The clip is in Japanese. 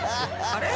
あれ？